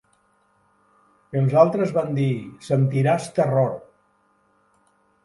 Els altres van dir: "Sentiràs terror".